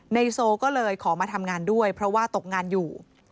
โซก็เลยขอมาทำงานด้วยเพราะว่าตกงานอยู่